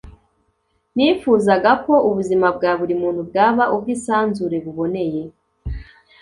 nifuzaga ko ubuzima bwa buri muntu bwaba ubwisanzure buboneye